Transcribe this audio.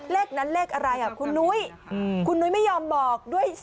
เลขนั้นเลขอะไรครับคุณนุ๊ยไม่ยอมบอกด้วยเสียง